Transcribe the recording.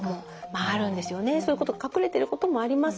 そういうことが隠れてることもあります。